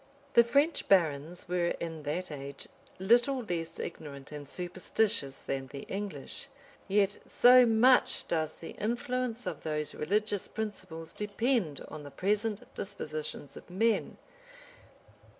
The French barons were in that age little less ignorant and superstitious than the English: yet, so much does the influence of those religious principles depend on the present dispositions of men!